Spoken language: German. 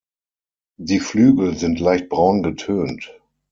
Die Flügel sind leicht braun getönt.